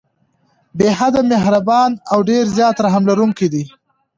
بې حده مهربان او ډير زيات رحم لرونکی دی